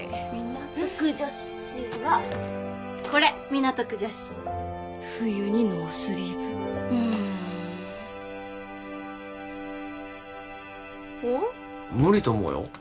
港区女子はこれ港区女子冬にノースリーブふーんおっ無理と思うよ